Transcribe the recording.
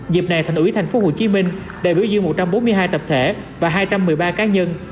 dịp này thành ủy tp hcm đại biểu dương một trăm bốn mươi hai tập thể và hai trăm một mươi ba cá nhân